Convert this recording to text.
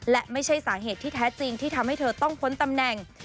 และไม่ใช่สาเหตุที่แท้จริงที่ทำให้เธอต้องพ้นตำแหน่ง